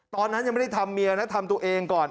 ตอนนั้นยังไม่ได้ทำเมียนะทำตัวเองก่อน